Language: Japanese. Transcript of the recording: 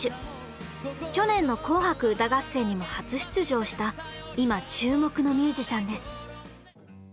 去年の「紅白歌合戦」にも初出場した今注目のミュージシャンです。